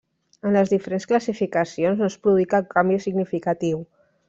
En les diferents classificacions no es produí cap canvi significatiu.